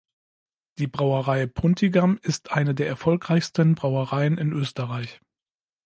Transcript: Die Brauerei Puntigam ist eine der erfolgreichsten Brauereien in Österreich.